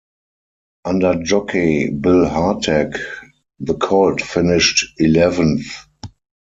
Under jockey Bill Hartack, the colt finished eleventh.